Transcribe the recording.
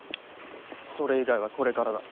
それ以外はこれからだ。